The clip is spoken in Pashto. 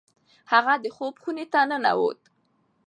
هغه د خوب خونې ته ننوت.